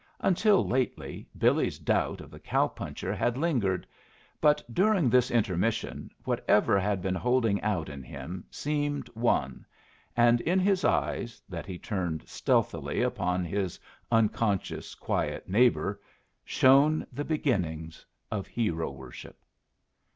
Until lately Billy's doubt of the cow puncher had lingered; but during this intermission whatever had been holding out in him seemed won, and in his eyes, that he turned stealthily upon his unconscious, quiet neighbor, shone the beginnings of hero worship.